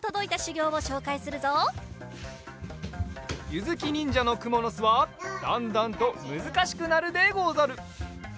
ゆづきにんじゃのくものすはだんだんとむずかしくなるでござる。